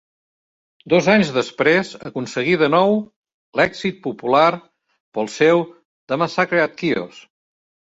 Dos anys després aconseguí de nou l'èxit popular pel seu "The Massacre at Chios".